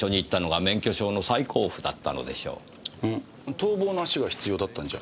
逃亡の足が必要だったんじゃ。